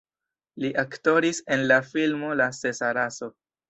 Li aktoris en la filmo La sesa raso.